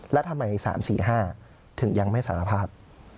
แล้วทำไม๓๔๕ถึงยังไม่สารภาพ